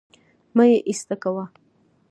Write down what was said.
مه يې ايسته کوه